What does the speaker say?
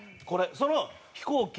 その飛行機。